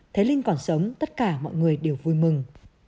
thế linh còn sống tất cả mọi người đều vui mừng